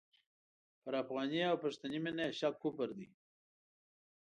پر افغاني او پښتني مینه یې شک کفر دی.